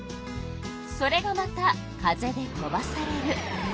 それがまた風で飛ばされる。